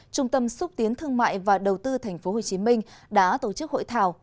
trung tâm xúc tiến thương mại và đầu tư tp hcm đã tổ chức hội thảo